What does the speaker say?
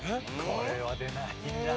これは出ないな。